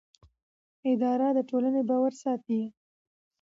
اداره د ټولنې باور ساتي.